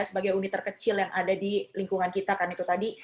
sebagai unit terkecil yang ada di lingkungan kita kan itu tadi